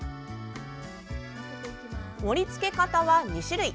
盛りつけ方は２種類。